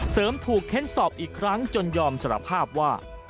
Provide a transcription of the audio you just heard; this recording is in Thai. เสริมถูกเค้นสอบอีกครั้งจนยอมสารภาพว่า